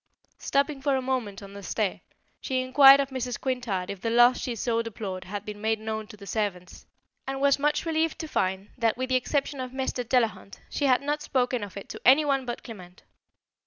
Stopping for a moment on the stair, she inquired of Mrs. Quintard if the loss she so deplored had been made known to the servants, and was much relieved to find that, with the exception of Mr. Delahunt, she had not spoken of it to any one but Clement.